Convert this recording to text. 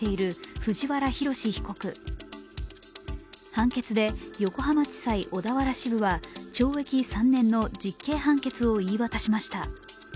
判決で横浜地裁小田原支部は懲役３年の実刑判決を言い渡しました。